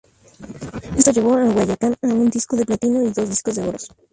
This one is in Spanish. Esto llevó a Guayacán a un Disco de Platino y dos Discos de Oro.